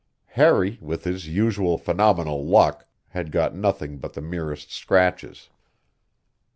Harry, with his usual phenomenal luck, had got nothing but the merest scratches.